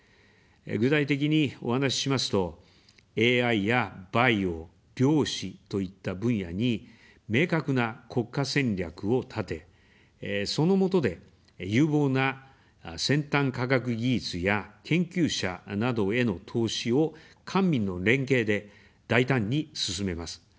具体的にお話ししますと、ＡＩやバイオ、量子といった分野に明確な国家戦略を立て、そのもとで、有望な先端科学技術や研究者などへの投資を官民の連携で大胆に進めます。